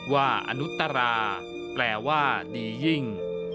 ว่าอนุตราแปลว่าดียิ่ง